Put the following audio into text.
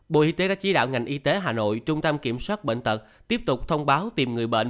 bộ y tế đã chỉ đạo ngành y tế hà nội trung tâm kiểm soát bệnh tật tiếp tục thông báo tìm người bệnh